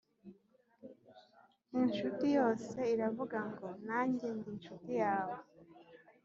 Incuti yose iravuga ngo «Nanjye ndi incuti yawe»,